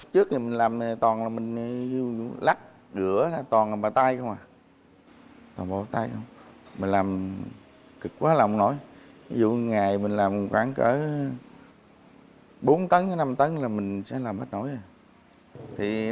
từ khi chế biến từ bốn đến năm tấn mình sẽ làm hết nổi